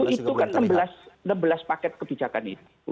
itu kan enam belas paket kebijakan itu